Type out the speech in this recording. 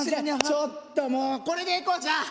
ちょっともうこれでいこうじゃあ。